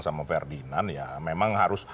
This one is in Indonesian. sama ferdinand ya memang harus